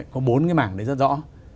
có bốn cái mảng đấy rất rõ